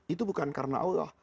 itu bukan karena allah